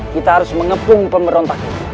kita harus mengepung pemberontak